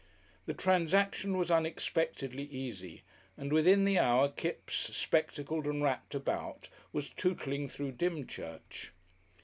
The transaction was unexpectedly easy, and within the hour Kipps, spectacled and wrapped about, was tootling through Dymchurch.